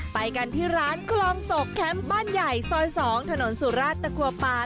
ไปกันที่ร้านคลองศกแคมป์บ้านใหญ่ซอย๒ถนนสุราชตะครัวปาน